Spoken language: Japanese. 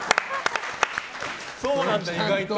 そうなんだ、意外と。